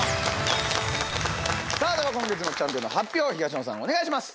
さあでは今月のチャンピオンの発表を東野さんお願いします。